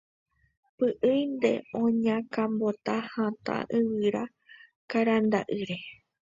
py'ỹinte oñakãmbota hatã yvyra karanda'ýre